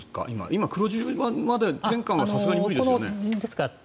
今、黒字まではさすがに無理ですよね。